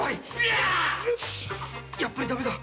やっぱり駄目だ。